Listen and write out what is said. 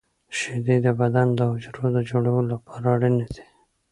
• شیدې د بدن د حجرو د جوړولو لپاره اړینې دي.